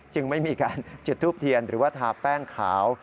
ไม่มีการจุดทูปเทียนหรือว่าทาแป้งขาว